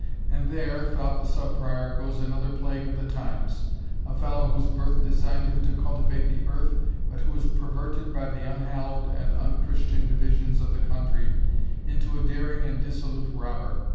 And there, thought the Sub Prior, goes another plague of the times a fellow whose birth designed him to cultivate the earth, but who is perverted by the unhallowed and unchristian divisions of the country, into a daring and dissolute robber.